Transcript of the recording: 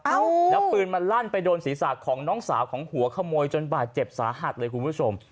แล้วปืนมันลั่นไปโดนศีรษะของน้องสาวของหัวขโมยจนบาดเจ็บสาหัสเลยคุณผู้ชม